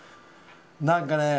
何かね